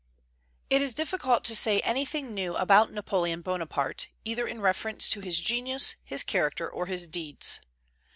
It is difficult to say anything new about Napoleon Bonaparte, either in reference to his genius, his character, or his deeds.